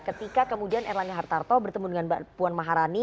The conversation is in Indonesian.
ketika kemudian erlangga hartarto bertemu dengan mbak puan maharani